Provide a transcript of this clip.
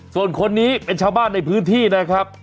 ส่วนคนนี้เป็นชาวบ้านในพื้นที่นะครับ